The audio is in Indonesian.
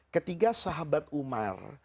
ketiga sahabat umar